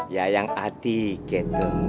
ya yang hati gitu